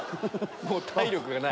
もう体力がない。